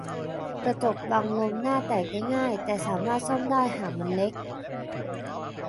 กระจกบังลมหน้าแตกได้ง่าย แต่สามารถซ่อมได้หากมันเล็ก